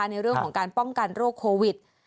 ในเรื่องของการป้องกันโรคโควิด